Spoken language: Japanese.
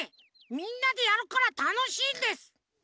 みんなでやるからたのしいんです！